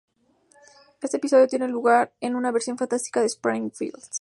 Este episodio tiene lugar en una versión fantástica de Springfield.